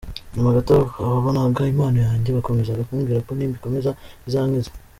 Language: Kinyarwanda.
Nyuma gato ababonaga impano yanjye bakomezaga kumbwira ko nimbikomeza , bizankiza.